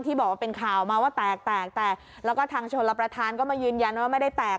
บอกว่าเป็นข่าวมาว่าแตกแตกแตกแล้วก็ทางชนรับประทานก็มายืนยันว่าไม่ได้แตก